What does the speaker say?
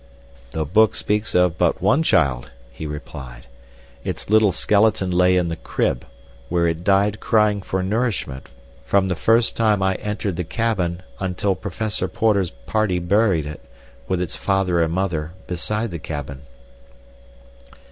"The book speaks of but one child," he replied. "Its little skeleton lay in the crib, where it died crying for nourishment, from the first time I entered the cabin until Professor Porter's party buried it, with its father and mother, beside the cabin.